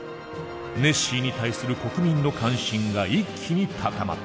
ネッシーに対する国民の関心が一気に高まった。